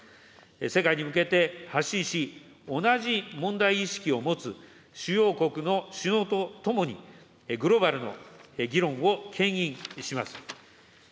世界に向けて発信し、同じ問題意識を持つ主要国の首脳と共に、グローバルの議論をけん引します。